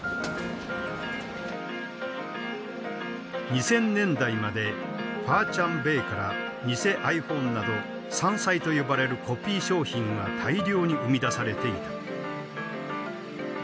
２０００年代まで華強北から偽ｉＰｈｏｎｅなど山寨と呼ばれるコピー商品が大量に生み出されていた。